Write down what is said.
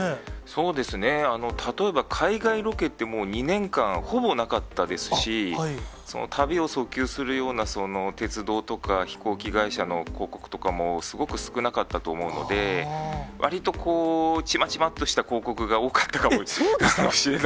そうですね、例えば、海外ロケってもう２年間、ほぼなかったですし、旅を訴求するようなその鉄道とか飛行機会社の広告とかもすごく少なかったと思うので、わりとこう、ちまちまっとした広告が多かったそうですか。